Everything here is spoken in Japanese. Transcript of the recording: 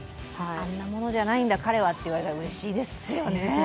あんなものじゃないんだ彼はと言われたらうれしいですよね。